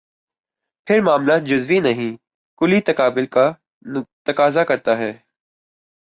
پھر معاملہ جزوی نہیں، کلی تقابل کا تقاضا کرتا ہے۔